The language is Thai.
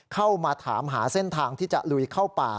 เข้ามาถามหาเส้นทางที่จะลุยเข้าป่า